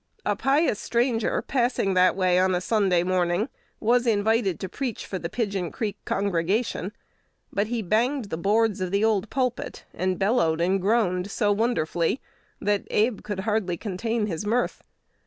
A pious stranger, passing that way on a Sunday morning, was invited to preach for the Pigeon Creek congregation; but he banged the boards of the old pulpit, and bellowed and groaned so wonderfully, that Abe could hardly contain his mirth.